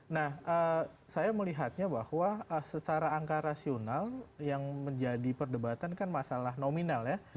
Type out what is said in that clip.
nah saya melihatnya bahwa secara angka rasional yang menjadi perdebatan kan masalah nominal ya